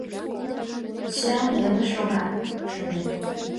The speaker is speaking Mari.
Сӱан веле шога, шонет.